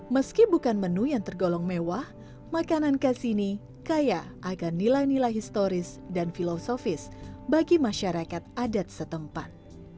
meski bukan menu yang tergolong mewah makanan khas ini kaya agar nilai nilai historis dan filosofis bagi masyarakat adat setempat